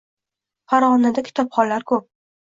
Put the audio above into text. Farg‘onada kitobxonlar ko‘p